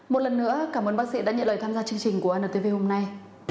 một lần nữa cảm ơn bác sĩ đã nhận lời tham gia chương trình của antv hôm nay